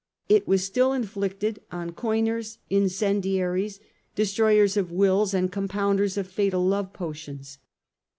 It was still inflicted on coiners, incendiaries, destroyers of will and compounders of fatal love potions.